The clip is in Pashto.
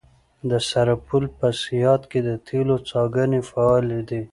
د سرپل په صیاد کې د تیلو څاګانې فعالې دي.